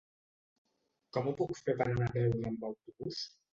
Com ho puc fer per anar a Beuda amb autobús?